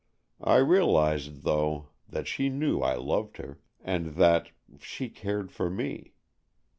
I realized, though, that she knew I loved her, and that—she cared for me.